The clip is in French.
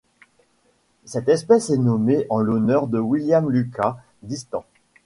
Cette espèce est nommée en l'honneur de William Lucas Distant.